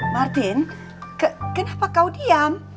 martin kenapa kau diam